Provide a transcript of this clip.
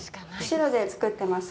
釧路で作ってます